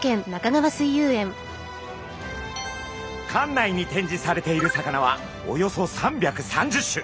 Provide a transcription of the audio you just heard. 館内に展示されている魚はおよそ３３０種。